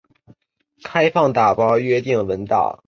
开放打包约定文档。